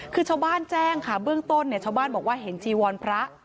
คือชาวบ้านแจ้งค่ะเบื้องต้นเนี่ยชาวบ้านบอกว่าเห็นจีวรพระ